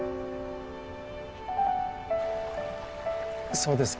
そうですか。